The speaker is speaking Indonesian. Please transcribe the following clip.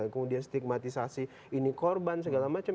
kemudian stigmatisasi ini korban segala macam